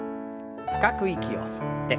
深く息を吸って。